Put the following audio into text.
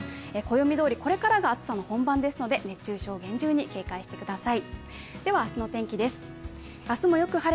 暦どおりこれからが暑さの本番ですので、熱中症に厳重に警戒してください。